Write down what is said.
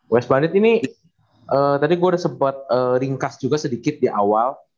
west bandit ini tadi gue udah sempat ringkas juga sedikit di awal